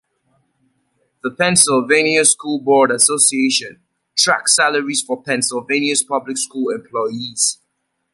The Pennsylvania School Board Association tracks salaries for Pennsylvania public school employees.